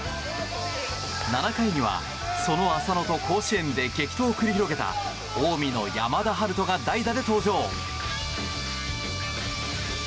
７回には、その浅野と甲子園で激闘を繰り広げた近江の山田陽翔が代打で登場。